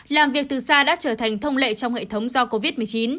làm việc từ xa đã trở thành thông lệ trong hệ thống do covid một mươi chín